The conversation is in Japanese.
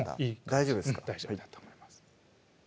大丈夫だと思います